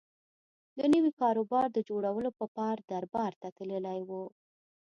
د نوي کاروبار د جوړولو په پار دربار ته تللی و.